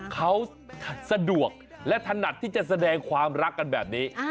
เขาสะดวกและถนัดที่จะแสดงความรักกันแบบนี้